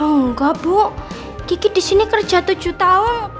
oh enggak bu kiki di sini kerja tujuh tahun